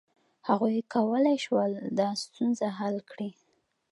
هغوی کولای شول دا ستونزه حل کړي.